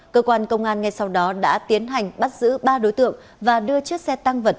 cơ quan công an ngay sau đó đã tiến hành bắt giữ ba đối tượng và đưa chiếc xe tăng vật